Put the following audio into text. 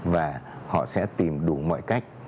và họ sẽ tìm đủ mọi cách